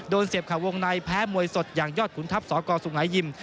เสียบข่าววงในแพ้มวยสดอย่างยอดขุนทัพสกสุงหายิม